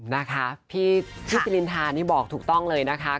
นะคะพี่สิรินทานี่บอกถูกต้องเลยนะคะ